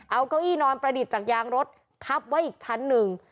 เอาเก้าอี้นอนประดิษฐ์จากยางรถทับไว้อีกชั้นหนึ่ง